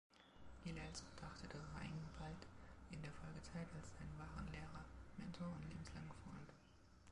Gilels betrachtete Reingbald in der Folgezeit als seinen wahren Lehrer, Mentor und lebenslangen Freund.